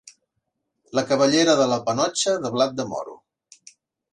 La cabellera de la panotxa de blat de moro.